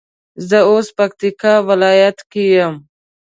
زه اوس پکتيا ولايت کي يم